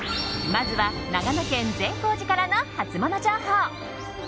まずは、長野県・善光寺からのハツモノ情報。